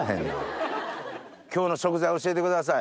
今日の食材教えてください。